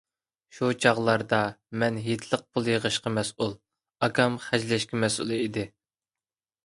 شۇ چاغلاردا، مەن ھېيتلىق پۇل يىغىشقا مەسئۇل ، ئاكام خەجلەشكە مەسئۇل ئىدى.